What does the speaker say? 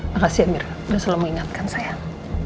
makasih ya mir udah selalu mengingatkan sayang